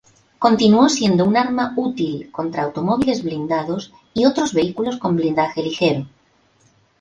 Continuó siendo un arma útil contra automóviles blindados y otros vehículos con blindaje ligero.